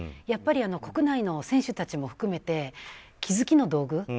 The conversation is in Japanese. やっぱり国内の選手たちも含めて気付きの道具